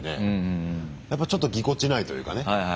やっぱちょっとぎこちないというかね。